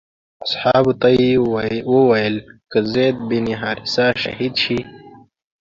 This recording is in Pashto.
اصحابو ته یې وویل که زید بن حارثه شهید شي.